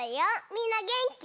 みんなげんき？